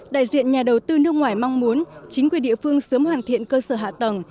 đại diện nhà đầu tư nước ngoài mong muốn chính quyền địa phương sớm hoàn thiện cơ sở hạ tầng